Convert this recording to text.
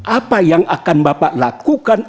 apa yang akan bapak lakukan